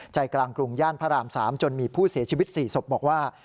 ใจกลางกรุงย่านพระราม๓จนมีผู้เสียชีวิต๔ศพบอกว่า